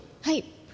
はい